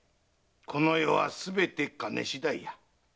この世はすべて金次第や。